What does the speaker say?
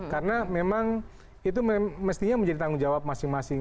karena memang itu mestinya menjadi tanggung jawab masing masing